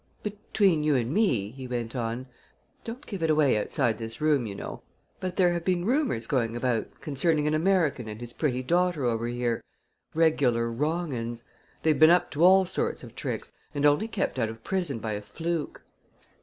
"Between you and me," he went on "don't give it away outside this room, you know but there have been rumors going about concerning an American and his pretty daughter over here regular wrong 'uns! They've been up to all sorts of tricks and only kept out of prison by a fluke."